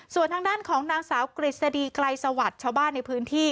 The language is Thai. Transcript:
ส่วนทางด้านของนางสาวกฤษฎีไกลสวัสดิ์ชาวบ้านในพื้นที่